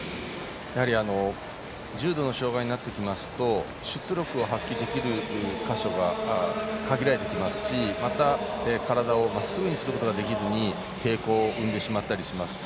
重度の障がいになってきますと出力を発揮できる箇所が限られてきますしまた、体をまっすぐにすることができずに抵抗を生んでしまったりします。